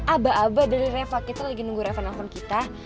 aba aba dari reva kita lagi nunggu reven handphone kita